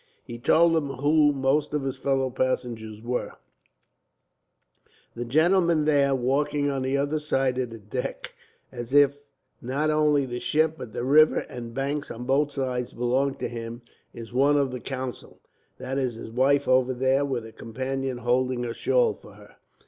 He told him who most of his fellow passengers were: "That gentleman there, walking on the other side of the deck, as if not only the ship but the river and banks on both sides belonged to him, is one of the council. That is his wife over there, with a companion holding her shawl for her.